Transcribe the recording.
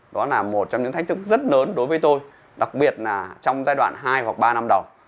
đó là một trong những thách thức rất lớn đối với tôi đặc biệt là trong giai đoạn hai hoặc ba năm đầu